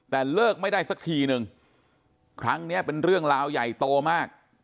แต่เลิกไม่ได้สักทีนึงครั้งนี้เป็นเรื่องราวใหญ่โตมาก